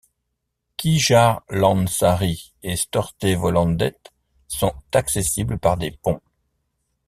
Kirjalansaari et Stortervolandet sont accessibles par des ponts.